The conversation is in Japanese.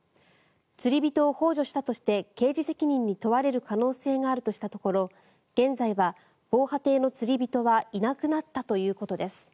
釣り人をほう助したとして刑事責任に問われる可能性があるとしたところ現在は防波堤の釣り人はいなくなったということです。